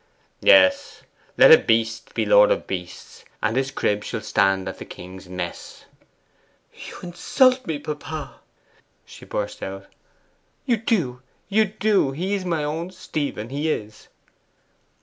'Yes. "Let a beast be lord of beasts, and his crib shall stand at the king's mess."' 'You insult me, papa!' she burst out. 'You do, you do! He is my own Stephen, he is!